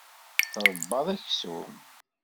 Tṛebbaḍ aksum.